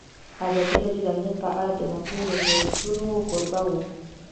ازادي راډیو د امنیت په اړه د نقدي نظرونو کوربه وه.